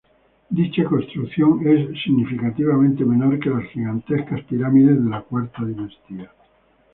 Dicha construcción es significativamente menor que las gigantescas pirámides de la cuarta dinastía.